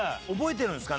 覚えてるんですか？